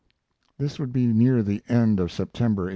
This would be near the end of September, 1893.